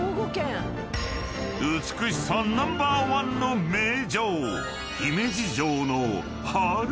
［美しさナンバーワンの名城］